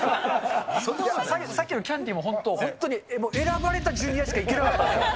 さっきのキャンティも本当に選ばれたジュニアしか行けなかったんですよ。